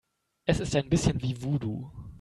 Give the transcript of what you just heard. Es ist ein bisschen wie Voodoo.